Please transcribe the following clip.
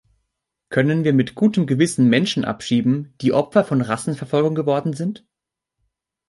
Können wir mit gutem Gewissen Menschen abschieben, die Opfer von Rassenverfolgung geworden sind?